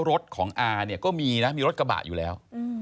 รถของอาเนี่ยก็มีนะมีรถกระบะอยู่แล้ว